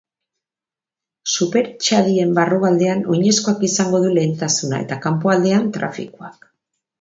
Superetxadien barrualdean oinezkoak izango du lehentasuna, eta kanpoaldean trafikoak.